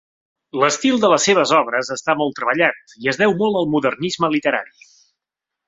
L'estil de les seves obres està molt treballat i es deu molt al modernisme literari.